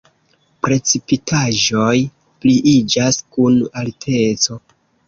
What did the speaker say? Precipitaĵoj pliiĝas kun alteco.